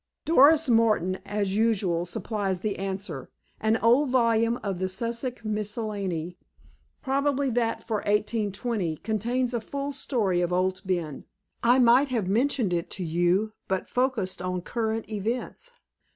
"Doris Martin, as usual, supplies the answer. An old volume of the Sussex Miscellany, probably that for 1820, contains the full story of Owd Ben. I might have mentioned it to you, but focussed on current events.